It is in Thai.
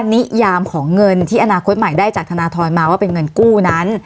นิยามของเงินที่อนาคตใหม่ได้จากธนทรมาว่าเป็นเงินกู้นั้น